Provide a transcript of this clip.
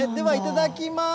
ではいただきます。